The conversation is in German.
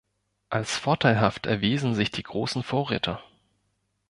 Als vorteilhaft erwiesen sich die großen Vorräte.